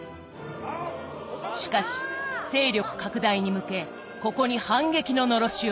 しかし勢力拡大に向けここに反撃ののろしを上げた。